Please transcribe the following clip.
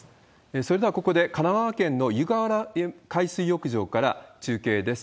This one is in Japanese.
それではここで、神奈川県の湯河原海水浴場から中継です。